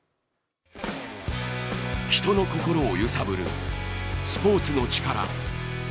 人の心を揺さぶるスポーツのチカラ。